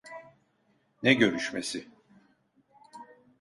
Ne görüşmesi?